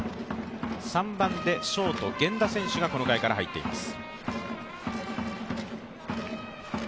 ３番でショート・源田選手がこの回から入っています。